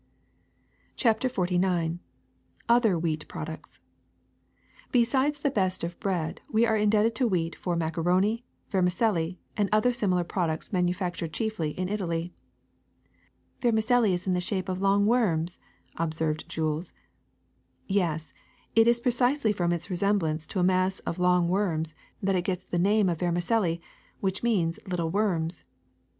ii B CHAPTER XLIX OTHER WHEAT PRODUCTS ESIDES the best of bread, we are indebted to wheat for macaroni, vermicelli, and other simi lar products manufactured chiefly in Italy.'' ^^ Vermicelli is in the shape of long worms," ob served Jules. Yes, it is precisely from its resemblance to a mass of long worms that it gets its name of vermicelli, which means * little worms.'